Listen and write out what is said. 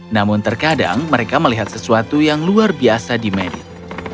namun terkadang mereka melihat sesuatu yang luar biasa di medit